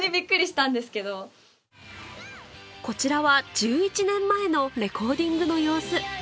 こちらは１１年前のレコーディングの様子